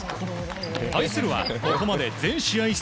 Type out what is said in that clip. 対するは、ここまで全試合